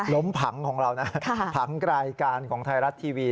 ผังของเรานะผังรายการของไทยรัฐทีวี